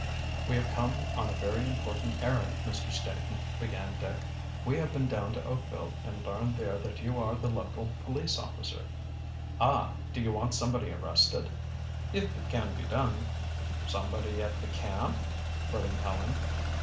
"We have come on a very important errand, Mr. Staton," began Dick. "We have been down to Oakville and learned there that you are the local police officer." "Ah! Do you want somebody arrested?" "If it can be done." "Somebody at the camp?" put in Helen.